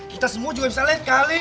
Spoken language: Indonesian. kita semua juga misalnya kali